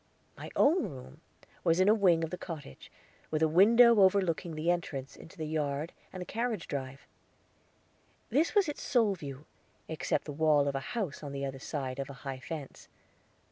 My own room was in a wing of the cottage, with a window overlooking the entrance into the yard and the carriage drive; this was its sole view, except the wall of a house on the other side of a high fence.